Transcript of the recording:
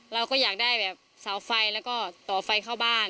เราก็อยากได้แบบเสาไฟแล้วก็ต่อไฟเข้าบ้าน